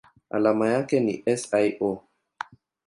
Alama yake ni SiO.